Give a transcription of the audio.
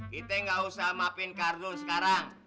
kita nggak usah mapin kardus sekarang